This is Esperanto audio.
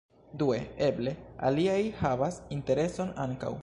Due eble aliaj havas intereson ankaŭ.